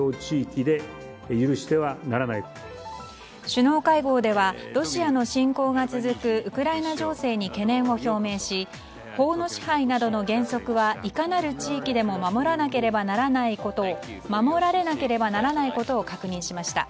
首脳会合ではロシアの侵攻が続くウクライナ情勢に懸念を表明し法の支配などの原則はいかなる地域でも守られなければならないことを確認しました。